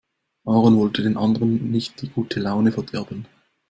Aaron wollte den anderen nicht die gute Laune verderben.